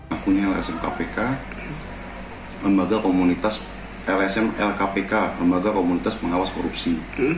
akunya lsm kpk lembaga komunitas lsm lkpk lembaga komunitas pengawas korupsi